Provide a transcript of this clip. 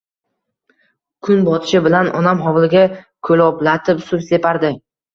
Kun botishi bilan onam hovliga ko‘loblatib suv separdi.